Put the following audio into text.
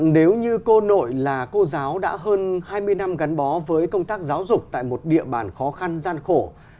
nếu như cô nội là cô giáo đã hơn hai mươi năm gắn bó với công tác giáo dục tại một địa bàn khó khăn gian khổ